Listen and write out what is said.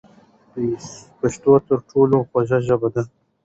پښتو تر ټولو خوږه ژبه ده.